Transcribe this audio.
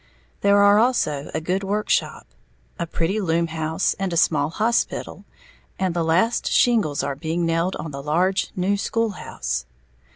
There are also a good workshop, a pretty loom house, and a small hospital, and the last shingles are being nailed on the large new school house.